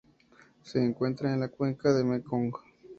Se encuentra en la cuenca del Mekong.